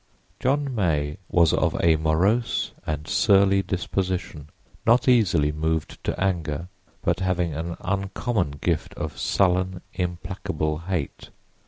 John May was of a morose and surly disposition, not easily moved to anger, but having an uncommon gift of sullen, implacable hate.